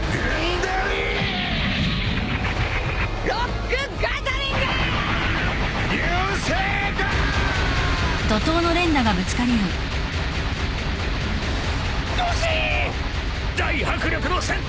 大迫力の戦闘だべ！］